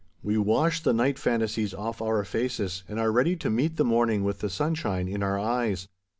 We wash the night fantasies off our faces, and are ready to meet the morning with the sunshine in our eyes.